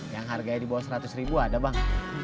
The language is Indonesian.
yang harganya di bawah seratus ribu ada bang